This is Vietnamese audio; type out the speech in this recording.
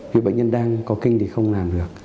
vì bệnh nhân đang có kinh thì không làm được